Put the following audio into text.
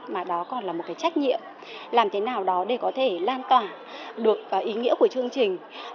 mà đó còn là một cái trách nhiệm làm thế nào đó để có thể lan tỏa được ý nghĩa của chương trình